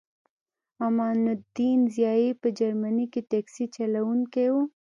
امان الدین ضیایی په جرمني کې ټکسي چلوونکی و